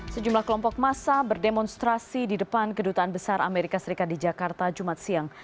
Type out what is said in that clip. sejumlah kelompok massa berdemonstrasi di depan kedutaan besar amerika serikat di jakarta jumat siang